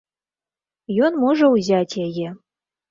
Ён можа ўзяць яе.